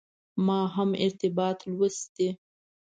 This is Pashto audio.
ما هم ارتباطات لوستي.